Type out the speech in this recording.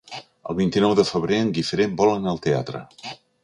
El vint-i-nou de febrer en Guifré vol anar al teatre.